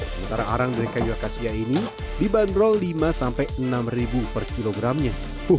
sementara arang dari kayu akasia ini dibanderol rp lima enam per kilogramnya